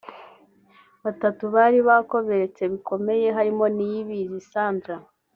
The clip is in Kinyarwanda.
Batatu bari bakomeretse bikomeye harimo Niyibizi Sandra